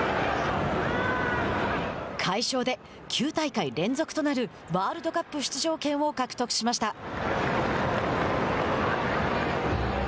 快勝で９大会連続となるワールドカップ出場権を獲得しました。